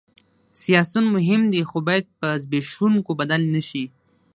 سیاسیون مهم دي خو باید په زبېښونکو بدل نه شي